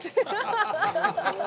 ハハハハッ。